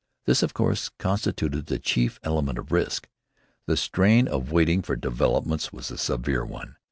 This, of course, constituted the chief element of risk. The strain of waiting for developments was a severe one.